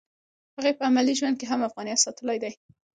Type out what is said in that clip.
هغې په عملي ژوند کې هم افغانیت ساتلی دی